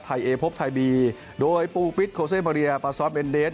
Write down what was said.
เอพบไทยบีโดยปูปิตโคเซมาเรียปาซอสเบนเดส